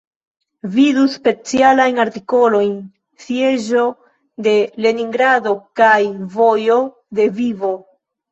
Vidu specialajn artikolojn: Sieĝo de Leningrado kaj Vojo de Vivo.